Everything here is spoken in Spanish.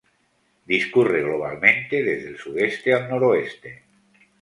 Discurre globalmente desde el sudeste al noroeste.